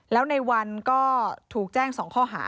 แล้วในวันก็ถูกแจ้ง๒ข้อหา